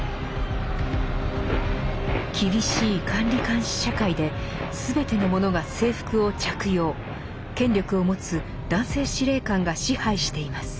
厳しい管理監視社会で全ての者が制服を着用権力を持つ男性司令官が支配しています。